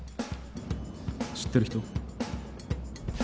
知ってる人？